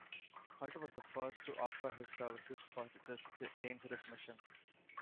Hatler was the first to offer his services for this dangerous mission.